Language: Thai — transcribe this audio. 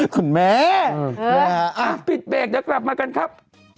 คุณแม่ปิดเบรกเดี๋ยวกลับมากันครับ